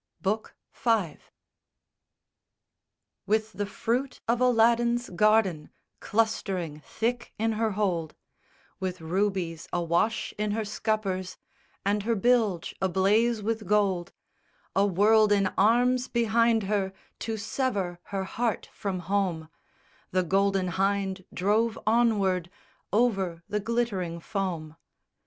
BOOK V I _With the fruit of Aladdin's garden clustering thick in her hold, With rubies awash in her scuppers and her bilge ablaze with gold, A world in arms behind her to sever her heart from home, The_ Golden Hynde _drove onward over the glittering foam.